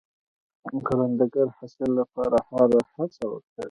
کروندګر د حاصل لپاره هره هڅه کوي